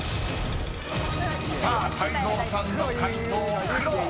［さあ泰造さんの解答黒］